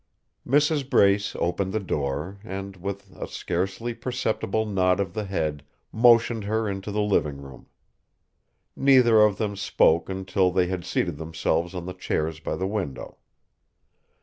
Mrs. Brace opened the door and, with a scarcely perceptible nod of the head, motioned her into the living room. Neither of them spoke until they had seated themselves on the chairs by the window.